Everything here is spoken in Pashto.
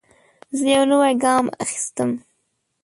زه یو نوی ګام اخیستم.